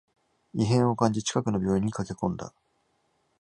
異変を感じ、近くの病院に駆けこんだ